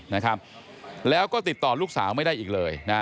นะครับแล้วก็ติดต่อลูกสาวไม่ได้อีกเลยนะ